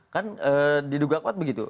kan diduga kuat begitu